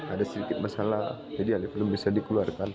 ada sedikit masalah jadi belum bisa dikeluarkan